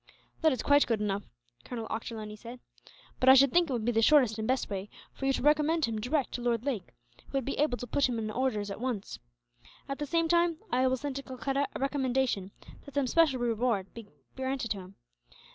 "That is quite good enough," Colonel Ochterlony said. "But I should think that it would be the shortest and best way for you to recommend him direct to Lord Lake, who would be able to put him in orders at once. At the same time, I will send to Calcutta a recommendation that some special reward should be granted to him.